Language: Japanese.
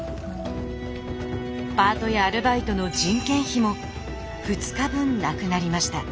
パートやアルバイトの人件費も２日分なくなりました。